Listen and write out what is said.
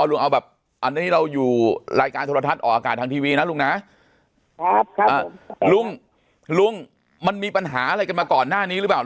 ลุงเอาแบบอันนี้เราอยู่รายการโทรทัศน์ออกอากาศทางทีวีนะลุงนะลุงลุงมันมีปัญหาอะไรกันมาก่อนหน้านี้หรือเปล่า